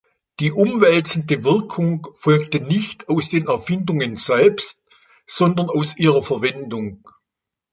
Die umwälzende Wirkung folgte nicht aus den Erfindungen selbst, sondern aus ihrer Verwendung.